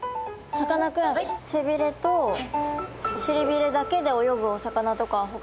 さかなクン背びれとしりびれだけで泳ぐお魚とかはほかにはいるんですか？